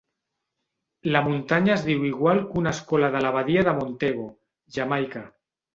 La muntanya es diu igual que una escola de la badia de Montego, Jamaica.